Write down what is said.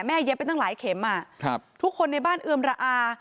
แม่เย็บไปตั้งหลายเข็มอ่ะครับทุกคนในบ้านเอิมระอา